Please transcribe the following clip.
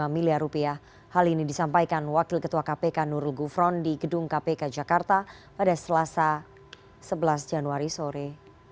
lima miliar rupiah hal ini disampaikan wakil ketua kpk nurul gufron di gedung kpk jakarta pada selasa sebelas januari sore